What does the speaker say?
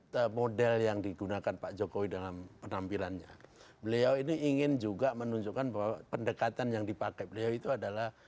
pembangunan infrastruktur dan pendekatan yang dipakai beliau itu adalah